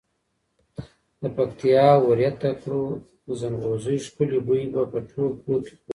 د پکتیا ورېته کړو زڼغوزیو ښکلی بوی به په ټول کور کې خپور وو.